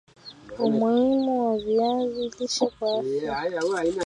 Umuhimu wa viazi lishe kwa afya